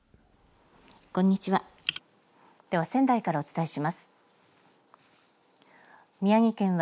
こんにちは。